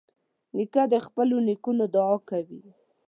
نیکه د خپلو نیکونو دعا کوي.